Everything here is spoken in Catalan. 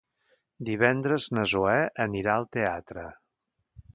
Divendres na Zoè anirà al teatre.